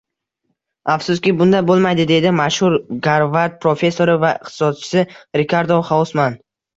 Afsuski, "bunday bo'lmaydi"deydi mashhur Garvard professori va iqtisodchisi Rikardo Xausman